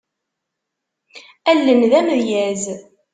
Allen d amedyaz.